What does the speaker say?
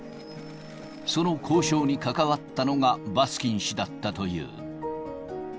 その交渉に関わったのがバスキン氏だったという。